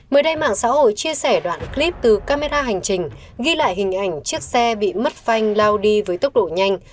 mới đây mạng xã hội chia sẻ đoạn clip từ camera hành trình ghi lại hình ảnh chiếc xe bị mất phanh lao đi với tốc độ nhanh